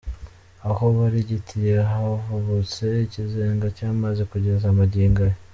Aho barigitiye havubutse ikizenga cy’amazi kugeza magingo aya.